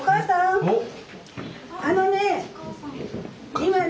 あのね